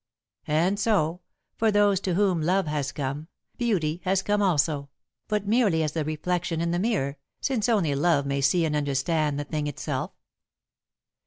And so, for those to whom love has come, beauty has come also, but merely as the reflection in the mirror, since only love may see and understand the thing itself.